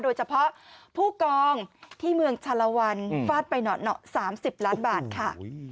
โดยเฉพาะผู้กองที่เมืองชาลวันฟาดไป๓๐ล้านบาทค่ะ